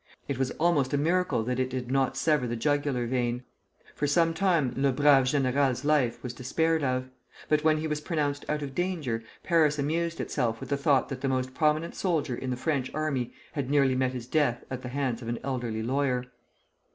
It was almost a miracle that it did not sever the jugular vein. For some time "Le brav' Général's" life was despaired of; but when he was pronounced out of danger, Paris amused itself with the thought that the most prominent soldier in the French army had nearly met his death at the hands of an elderly lawyer.